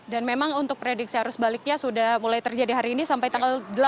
dan memang untuk prediksi harus baliknya sudah mulai terjadi hari ini sampai tanggal delapan nanti ya